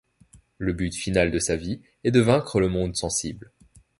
Le but final de sa vie est de vaincre le monde sensible.